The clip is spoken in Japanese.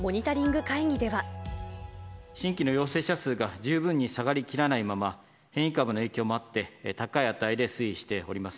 新規の陽性者数が十分に下がりきらないまま、変異株の影響もあって、高い値で推移しております。